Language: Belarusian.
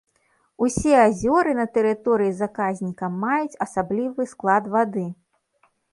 Усе азёры на тэрыторыі заказніка маюць асаблівы склад вады.